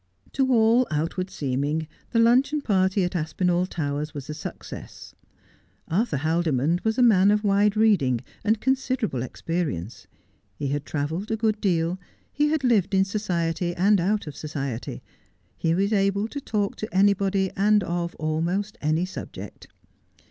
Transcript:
To all outward seeming the luncheon party at Aspinall Towers was a success. Arthur Haldimond was a man of wide reading and considerable experience. He had travelled a good deal, he had lived in society and out of society, and he was able to talk to anybody and of almost any subject.